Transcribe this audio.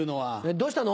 どうしたの？